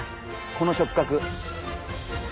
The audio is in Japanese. この触角。